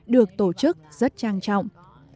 được tổ chức rất trang trọng